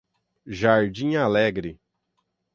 Jardim Alegre